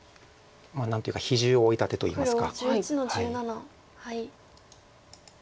何ていうか比重を置いた手といいますか。